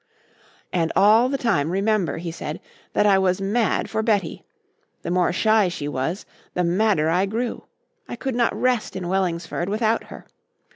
"And all the time remember," he said, "that I was mad for Betty. The more shy she was, the madder I grew. I could not rest in Wellingsford without her.